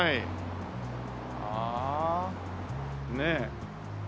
ああねえ。